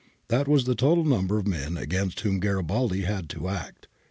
That was the total number of men against whom Garibaldi had to act.